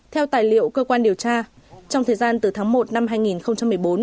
theo tài liệu cơ quan điều tra trong thời gian từ tháng một năm hai nghìn một mươi bốn